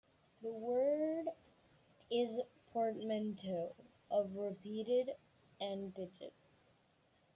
The word is a portmanteau of repeated and digit.